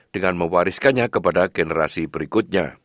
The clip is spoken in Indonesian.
dengan mewariskannya kepada generasi berikutnya